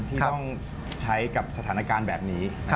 ที่ต้องใช้กับสถานการณ์แบบนี้